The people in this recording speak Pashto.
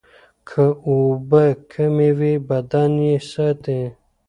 که اوبه کمې وي، بدن یې ساتي.